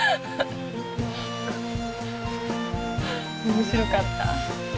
面白かった。